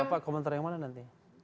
apa komentar yang mana nanti